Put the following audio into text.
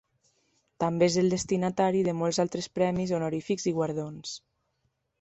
També és el destinatari de molts altres premis honorífics i guardons.